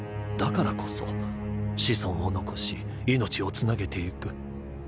だからこそ子孫を残し命をつなげてゆく。